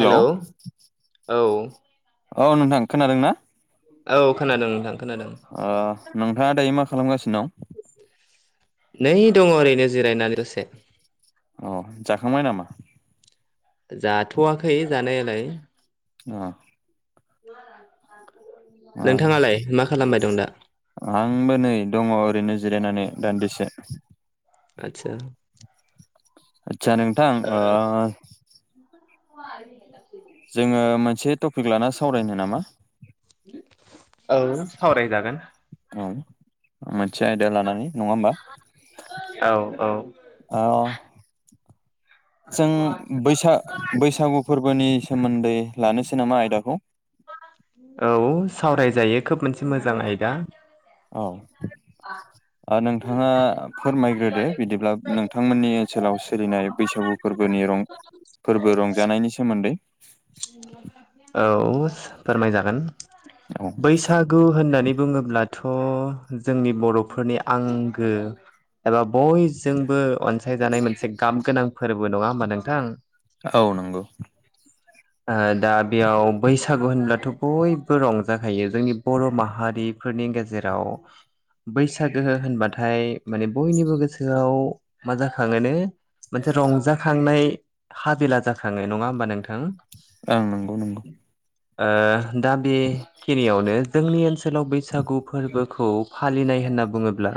हेल' औ औ नोंथां खोनादों ना? औ खोनादों नोंथां खोनादों। ओ-नोंथाङा दायो मा खालामगासिनो दं। नै दङ ओरैनो जिरायनानै दसे। अ जाखांबाय नामा? जाथ'वाखै जानायालाय अ' ओ नोंथाङालाय मा खालामबाय दं दा आंबो नै दङ ओरैनो जिरायनानै दान्दिसे। आतसा आदसा नोंथां ओ [unintelligible] [inaudible] जोङो मोनसे टपिक लाना सावरायनो नामा? औ सावरायजागोन औ मोनसे आयदा लानानै नङा होमबा औ औ ओ- जों बैसा- बैसागु फोरबोनि सोमोन्दै लानोसै नामा आयदाखौ? औ सावरायजायो खोब मोनसे मोजां आयदा औ। [unintelligible] [inaudible] ओ-नोंथाङा फोरमायग्रोदो बिदिब्ला नोंथांमोननि ओनसोलाव सोलिनाय बैसागु फोरबोनि फोरबो रंजानायनि सोमोन्दै औ फोरमाय जागोन औ बैसाग गु होननानै बुङोब्लाथ' जोंनि बर'फोरनि आंगो एबा बयजोंबो अनसायजानाय मोनसे गाब गोनां फोरबो नङा होमबा नोंथां? औ नंगौ। दा बेयाव बैसागु होनब्लाथ' बयबो रंजाखायो जोंनि बर' माहारिफोरनि गेजेराव बैसागु गोहो होनबाथाय माने बयनिबो गोसोआव मा जाखाङोनो मोनसे रंजाखांनाय हाबिला जाखाङो नङा होमबा नोंथां ओं नंगौ नंगौ ओ दा बेखिनियावनो जोंनि ओनसोलाव बैसागु फोरबो खौ फालिनाय होनना बुङोब्ला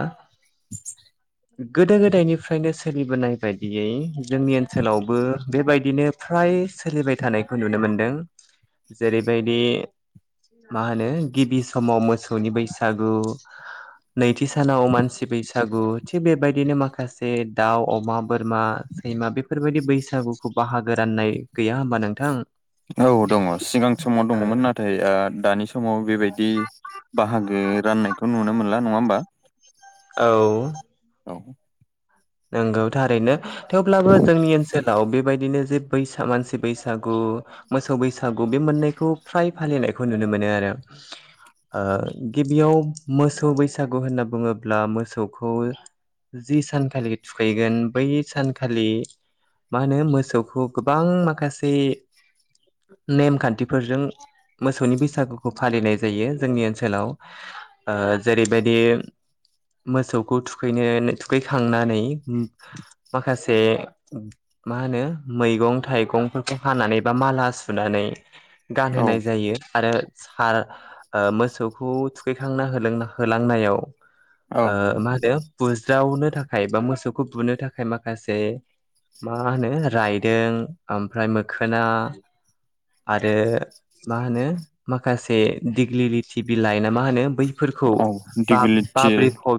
गोदो गोदायनिफ्रायनो सोलिबोनाय बेबायदियै जोंनि ओनसोलावबो बेबायदिनो फ्राय सोलिबाय थानायखौ नुनो मोनदों। जेरैबायदि मा होनो गिबि समाव मोसौनि बैसागु नैथि सानाव मानसि बैसागु थिग बेबायदिनो माखासे दाउ अमा बोरमा सैमा बेफोरबायदि बैसागुखौ बाहागो राननाय गैया होमबा नोंथां औ दङ सिगां समाव दङमोन नाथाय ओ दानि समाव बेबायदि बाहागो राननायखौ नुनो मोनला नङा होमबा औ औ नंगौ थारैनो थेवब्लाबो जोंनि ओनसोल ओनसोलाव बेबायदिनो जे बैसाग मानसि बैसागु मोसौ बैसागु बे मोननायखौ फ्राय फालिनायखौ नुनो मोनो आरो ओ गिबियाव मोसौ बैसागु होनना बुङोब्ला मोसौखौ जि सानखालि थुखैगोन बै सानखालि मा होनो मोसौखौ गोबां माखासे नेमखान्थिफोरजों मोसौनि बैसागुखौ फालिनाय जायो जोंनि ओनसोलाव ओ जेरैबायदि मोसौखौ थुखैनो थुखैखांनानै माखासे मा होनो मैगं थाइगंफोरखौ हानानै बा माला सुनानै औ गानहोनाय जायो आरो सार ओ मोसौखौ थुखैखांना होलोंना होलांनायाव ओ औ मा होनो बुज्रावनो थाखाय बा मोसौखौ बुनो थाखाय माखासे मा होनो रायदों ओमफ्राय मोखोना आरो मा होनो माखासे दिग्लिलिटि बिलाइ ना मा होनो बैफोरखौ औ ब दिगिलिटि बाब्रि ख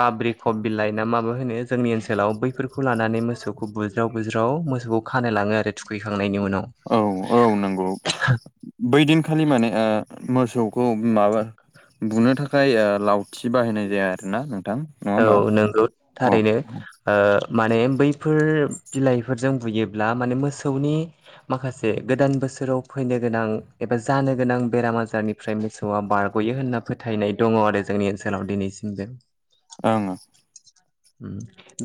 बाब्रि ख बिलाइ ना माबा होनो जोंनि ओनसोलाव बैफोरखौ लानानै मोसौखौ बुज्राव-बुज्राव मोसौखौ खानो लाङो आरो थुखैखांनायनि उनाव औ-औ नंगौ बैदिनखालि माने ओ मोसौखौ माबा बुनो थाखाय ओ लाव थि बाहायनाय जाया आरोना नोंथां नङा होनबा औ नंगौ थारैनो ओ माने बैफोर बिलाइफोरजों बुयोब्ला माने मोसौनि माखासे गोदान बोसोराव फैनो गोनां एबा जानो गोनां बेराम आजारनि फ्राय मोसौआ बारग'यो होनना फोथायनाय दङ आरो जोंनि ओनसोलाव दिनैसिमबो। ओं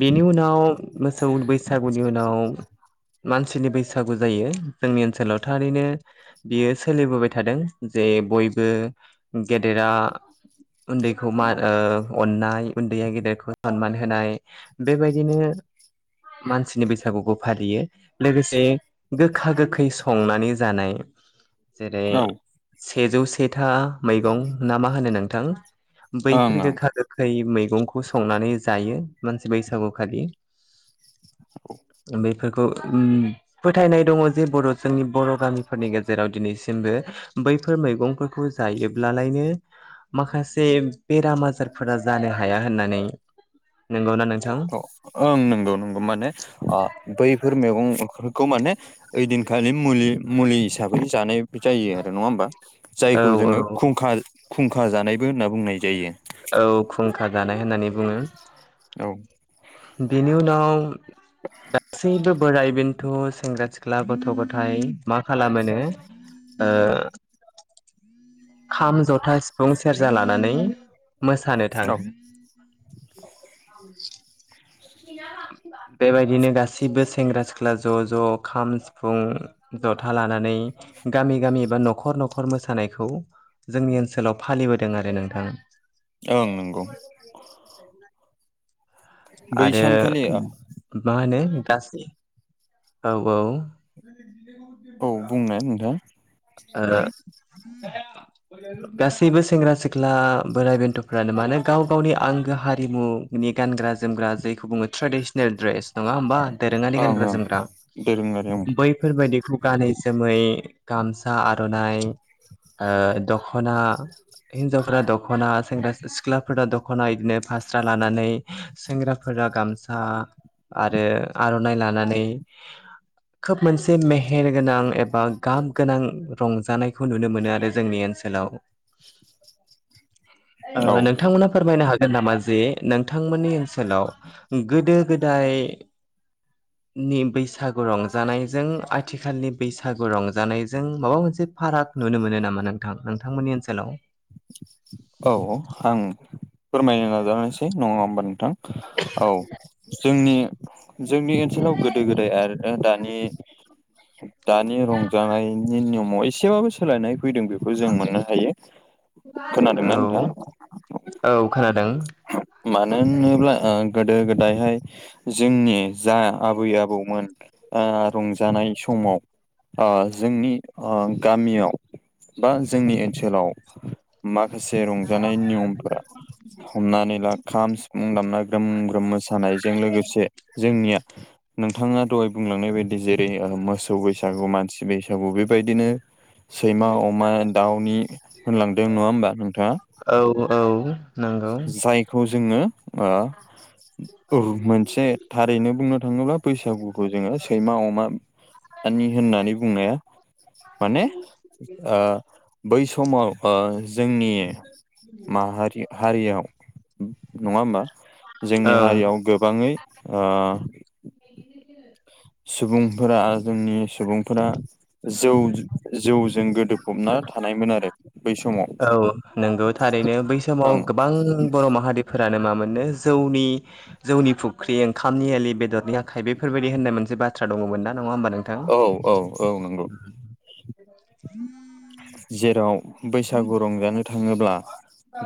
बेनि उनाव मोसौ बैसागुनि उनाव मानसिनि बैसागु जायो जोंनि ओनसोलाव थारैनो बियो सोलिबोबाय थादों जे बयबो गेदेरा उन्दै खौ मान ओ अननाय उन्दैया गेदेरखौ सनमान होनाय बेबायदिनो मानसिनि बैसागुखौ फालियो लोगोसे गोखा गोखै संनानै जानाय जेरै औ सेजौ सेथा मैगं ना मा होनो नोंथां ओं बैफोर ओं गोखा गोखै मैगंखौ संनानै जायो मानसि बैसागुखालि लांदां बेफोरखौ उम फोथायनाय दङ जे बर' जोंनि बर' गामिफोरनि गेजेराव दिनैसिमबो बैफोर मैगंफोरखौ जायोब्लालायनो माखासे बेराम आजारफोरा जानो हाया होननानै नंगौना नोंथां। अ ओं नंगौ नंगौ माने ओ बैफोर मैगंफोरखौ माने ओइदिनखालि मुलि मुलि हिसाबै जानाय जायो आरो नङा होमबा औ जायखौ औ जोङो खुंखा खुंखा जानायबो होनना बुंनाय जायो औ खुंखा जानाय होननानै बुङो औ बेनि उनाव लांदां गासैबो बोराइ बेन्थ' सेंग्रा सिख्ला गथ' गथाय मा खालामोनो ओ खाम, जथा, सिफुं, सेरजा लानानै मोसानो औ थाङो। [inaudible] बेबायदिनो गासैबो सेंग्रा-सिख्ला ज' ज' खाम, सिफुं जथा लानानै गामि गामिबा न'खर न'खर मोसानायखौ। जोंनि ओनसोलाव फालिबोदों आरो नोंथाङा। ओं नंगौ। बै आरो सानखालि मा होनो गाज्रि औ औ [inaudible] औ बुंनो नोंथां आ गासैबो सेंग्रा-सिख्ला बोराइ बेन्थ'फ्रानो मानो गाव गावनि आंगो हारिमु बिनि गानग्रा-जोमग्रा जायखौ बुङो ट्रेडिसनेल ड्रेस। नङा होमबा दोरोङारि ओं गानग्रा ओं जोमग्रा दोरोङारि बैफोरबायदिखौ गानै जोमै गामसा आर'नाइ ओ दख'ना हिनजावफोरा दख'ना सेंग्रा सिख्लाफोरा दख'ना बिदिनो फास्रा लानानै। सेंग्राफोरा गामसा आरो आर'नाइ लानानै। खोब मोनसे मेहेर गोनां एबा गाब गोनां रंजानायखौ नुनो मोनो आरो जोंनि ओनसोलाव। ओ औ नोंथांमोना फोरमायनो हा गोन नामा जे नोंथांमोननि ओनसोलाव गोदो-गोदाय नि बैसागु रंजानायजों आथिखालनि बैसागु रंजानाय जों माबा मोनसे फाराग नुनो मोनो नामा नोंथां नोंथांमोननि ओनसोलाव। औ आं फोरमायनो नाजानोसै नङा होमबा नोंथां औ जोंनि जोंनि ओनसोलाव गोदो-गोदाय आरो दानि दानि रंजानायनि नियमाव एसेबाबो सोलायनाय फैदों बेखौ जों मोननो हायो। खोनादोंना औ नोंथां औ खोनादों। मानो होनोब्ला गोदो-गोदायहाय जोंनि जा आबै आबौमोन ओ रंजानाय समाव ओ जोंनि ओ गामियाव बा जोंनि ओनसोलाव। माखासे रंजानाय नियमफोरा हमनानै ला खाम, सिफुं दामना ग्रोम ग्रोम मोसानायजों लोगोसे। जोंनिया नोंथाङा दहाय बुंलांनाय बायदि जेरै मोसौ बैसागु मानसि बैसा थेवबो बेबायदिनो सैमा, अमा, दाउनि होनलांदों नङा होमबा नोंथाङा। औ औ नंगौ जायखौ जोङो ओ औ मोनसे थारैनो बुंनो थाङोब्ला बैसागुखौ जोङो सैमा, अमा आनि होननानै बुंनाया। माने बै समाव ओ जोंनि माहारि हारियाव नङा होमबा जोंनि ओं हारियाव गोबाङै सुबुंफोरा जोंनि सुबुंफोरा जौ जौजों गोदोफबना थानायमोन आरो। बै समाव औ नंगौ थारैनो बै समाव ओं गोबां बर' माहारि फोरानो मा मोनो जौनि जौनि फुख्रि ओंखामनि एलि बेदरनि आखाइ बेफोरबायदि होननाय मोनसे बाथ्रा दङमोन नङा होमबा नों औ औ औ नंगौ [inaudible] जेराव बैसागु रंजानो थाङोब्ला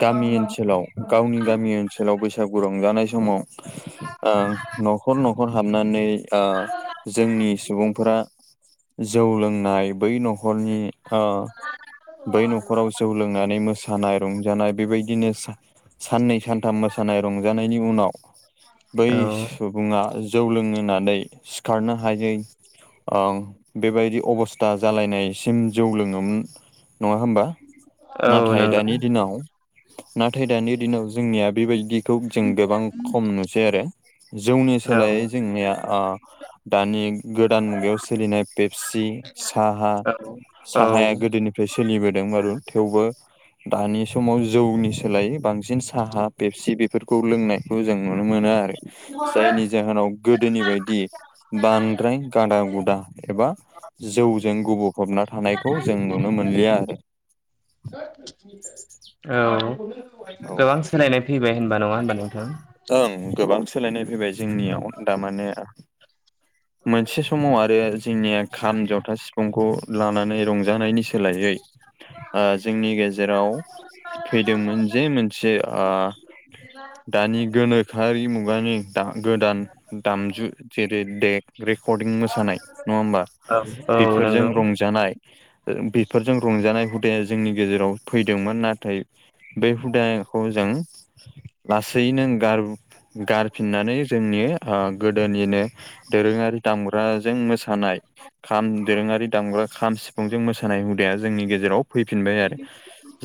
गामि ओनसोलाव गावनि गामि ओनसोलाव बैसागु रंजानाय समाव [inaudible] ओ न'खर न'खर हाबनानै ओ जोंनि सुबुंफोरा जौ लोंनाय बै न'खरनि ओ बै न'खराव जौ लोंनानै मोसानाय रंजानाय बेबायदिनो साननै सानथाम मोसानाय रंजानायनि उनाव बै सुबुङा जौ लोंनानै सिखारनो हायै ओ बेबायदि अबस्था जालायनायसिम जौ लोङोमोन नङा होमबा। औ नाथाय नंगौ दानि दिनाव नाथाय दानि दिनाव जोंनिया बेबायदि खौ जों गोबां खम नुसै आरो जौनि औ सोलायै जोंनिया ओ दानि गोदान मुगायाव सोलिनाय पेपसि साहा औ औ साहाया गोदोनि फ्राय सोलिबोदों मारुन थेवबो दानि समाव जौनि सोलायै बां सिन साहा बेपसि बेफोरखौ लोंनायखौ जों नुनो मोनो आरो। जायनि जाहोनाव गोदोनि बायदि बांद्राय गादा गुदा एबा जौजों गुबफबना थानायखौ जों नुनो मोनलिया आरो। औ औ गोबां सोलायनाय फैबाय होनबा नङा होनबा नोंथां। ओं गोबां सोलायनाय फैबाय जोंनियाव दा माने मोनसे समाव आरो जोंनिया खाम जथा सिफुंखौ लानानै रंजानायनि सोलायै ओ जोंनि गेजेराव फैदोंमोन जे मोनसे ओ दानि गोनोखोआरि मुगानि गोदान दामजु जेरै देग रेकर्डिं मोसानाय नङा होमबा औ औ बेफोरजों नंगौ रंजानाय। बेफोरजों रंजानाय हुदाया जोंनि गेजेराव फैदोंमोन नाथाय बै हुदाखौ जों लासैनो गारफिननानै जोंनि ओ गोदोनिनो दोरोङारि दामग्राजों मोस खाम दोरोङारि दामग्रा खाम सिफुंजों मोसानाय हुदाया जोंनि गेजेराव फैफिनबाय आरो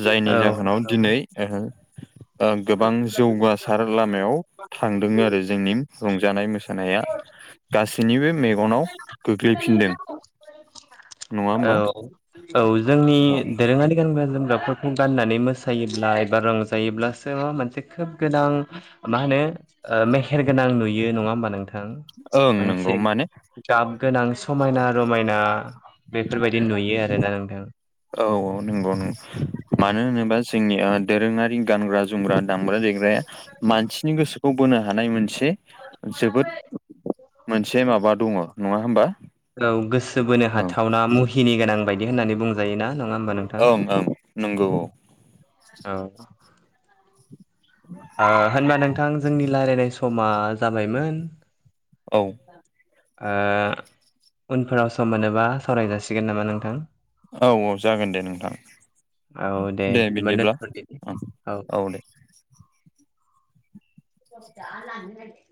जायनि औ जाहोनाव नंगौ दिनै ओ ओ गोबां जौगासार लामायाव थांदों आरो जोंनि रंजानाय मोसानाया। गासैनिबो मेगनाव गोग्लैफिनदों। नङा औ होमबा औ जोंनि औ दोरोङारि गानग्रा जोमग्राफोरखौ गाननानै मोसायोब्ला एबा रंजायोब्लासो मा मोनसे खोब गोदां मा होनो ओ मेहेर गोनां नुयो नङा होमबा नोंथां। ओं मोनसे नोंगौ माने गाब गोनां समायना रमायना बेफोरबायदि नुयो आरोना नोंथां। औ औ नंगौ नंगौ मानो होनोबा जोंनि दोरोङारि गानग्रा जोमग्रा दामग्रा देग्राया मानसिनि गोसोखौ बोनो हानाय मोनसे जोबोद मोनसे माबा दङ नङा होमबा औ गोसो बोनो ओं हाथावना मुहि नि गोनां बायदि होननानै बुंजाय ना नङा होमबा नोंथां ओं ओं नंगौ औ होनबा नोंथां जोंनि रायज्लायनाय समा जाबायमोन औ। ओ उनफोराव सम मोनोबा सावराय जासिगोन नामा नोंथां। औ औ जागोन दे नोंथां औ दे बिदिबा बिदिब्ला दोनथ'दिनि ओं औ दे। [inaudible]